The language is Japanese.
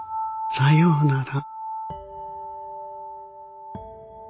さようなら。